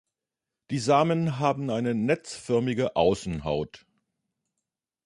Die Samen haben eine netzförmige Außenhaut.